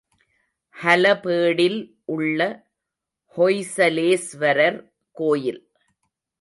ஹலபேடில் உள்ள ஹொய்சலேஸ்வரர் கோயில்.